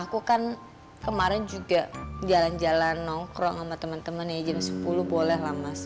aku kan kemarin juga jalan jalan nongkrong sama teman teman ya jam sepuluh bolehlah mas